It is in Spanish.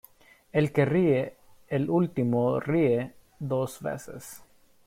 El que ríe el último ríe dos veces.